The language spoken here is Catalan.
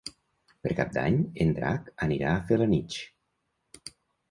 Per Cap d'Any en Drac anirà a Felanitx.